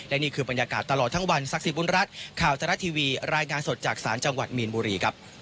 และนี่คือบรรยากาศตลอดทั้งวันศักดิ์สิทธบุญรัฐข่าวทรัฐทีวีรายงานสดจากศาลจังหวัดมีนบุรีครับ